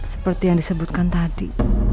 seperti yang disebutkan tadi